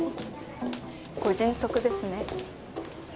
ご人徳ですね。